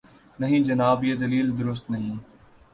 نہیں جناب، یہ دلیل درست نہیں ہے۔